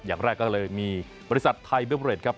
อย่างแรกก็เลยมีบริษัทไทเบิ้ลเมอร์เอ็นครับ